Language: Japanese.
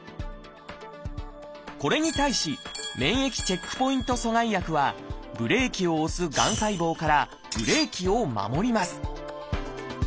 これに対し「免疫チェックポイント阻害薬」はブレーキを押すがん細胞からブレーキを守ります。